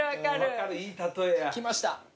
いい例えや。来ました。